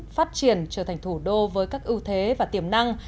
phát triển trở thành thủ đô với các ưu thế và tiềm năng